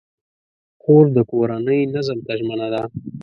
خور د کورنۍ نظم ته ژمنه ده.